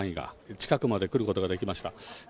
近くまで来ることができました。